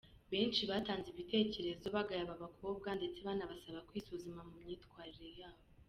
Benshi batanze ibitekerezo bagaya aba bakobwa ndetse banabasaba kwisuzuma mu myitwarire yabo.